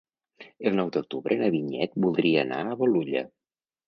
El nou d'octubre na Vinyet voldria anar a Bolulla.